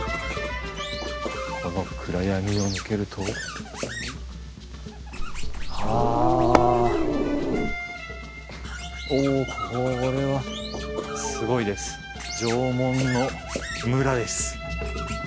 この暗闇を抜けるとあおこれはすごいです縄文のムラです